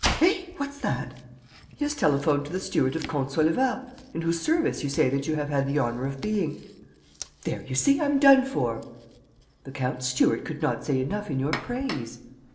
"Eh? What's that?" "He has telephoned to the steward of Comte Saulevat, in whose service you say that you have had the honour of being." "There, you see, I'm done for!" "The count's steward could not say enough in your praise."